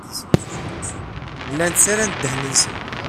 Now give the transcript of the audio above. Llan ttarran ddehn-nsen.